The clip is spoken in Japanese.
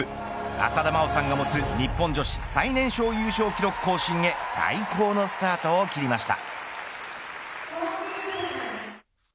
浅田真央さんが持つ日本女子最年少優勝記録更新へ最高のスタートを切りました。